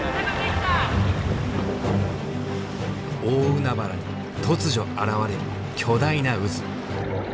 大海原に突如現れる巨大な渦。